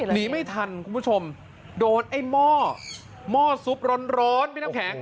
หนีไม่ทันคุณผู้ชมโดนไอ้หม้อหม้อซุปร้อนพี่น้ำแข็ง